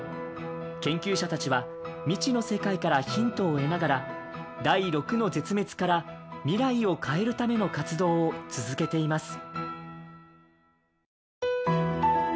研究者たちは未知の世界からヒントを得ながら第６の絶滅から未来を変えるための活動を続けています。